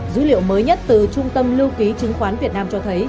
dữ liệu mới nhất từ trung tâm lưu ký chứng khoán việt nam cho thấy